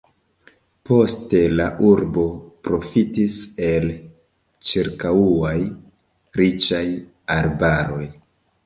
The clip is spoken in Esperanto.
Poste la urbo profitis el ĉirkaŭaj riĉaj arbaroj.